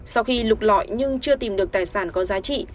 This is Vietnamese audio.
sau khi lục lọi nhưng chưa tìm được tài sản có giá trị